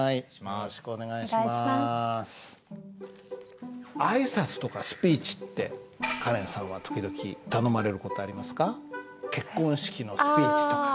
あいさつとかスピーチってカレンさんは時々頼まれる事ありますか？